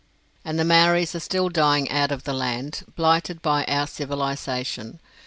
And the Maoris are still dying out of the land, blighted by our civilization.